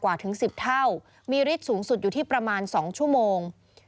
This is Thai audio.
ถึง๑๐เท่ามีฤทธิ์สูงสุดอยู่ที่ประมาณ๒ชั่วโมง